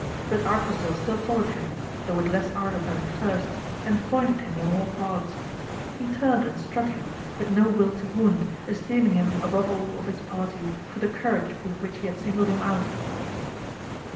But Arquisil still Tfollo wed him, though with less ardour than at first, and foined at him on all parts ; he turned and struck him, with no will to wound, esteeming him above all of his party for the courage with which he had singled him out.